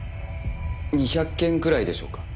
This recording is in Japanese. ２００件くらいでしょうか？